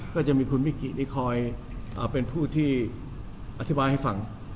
ก็จะมีคุณมิกิที่คอยเป็นผู้ที่อธิบายให้ฟัง